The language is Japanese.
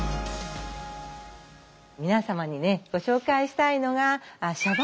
皆様にねご紹介したいのがシャバーサナ。